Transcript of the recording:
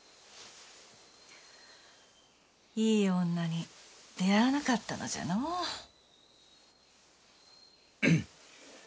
いい女に出会わなかったのじゃのう。